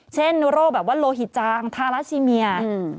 เช่นโรคแบบว่าโลหิตจางทาราซิเมีย